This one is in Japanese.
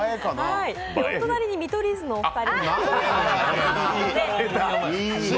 お隣に見取り図のお二人。